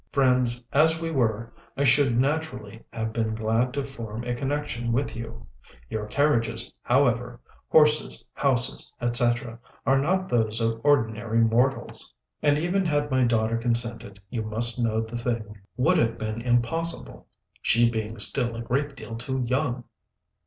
Friends as we were, I should naturally have been glad to form a connection with you; your carriages, however, horses, houses, etc., are not those of ordinary mortals; and even had my daughter consented, you must know the thing would have been impossible, she being still a great deal too young."